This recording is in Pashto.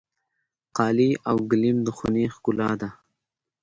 قالي او ګلیم د خونې ښکلا ده.